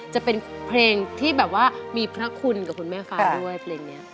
จะเป็นเพลงที่แบบว่ามีพระคุณกับคุณแม่ฟ้าด้วยเพลงนี้